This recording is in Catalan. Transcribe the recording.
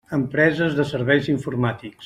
Empreses de serveis informàtics.